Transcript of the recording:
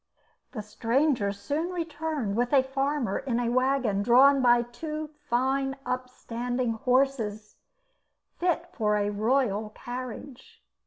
The stranger soon returned with a farmer in a waggon drawn by two fine upstanding horses, fit for a royal carriage.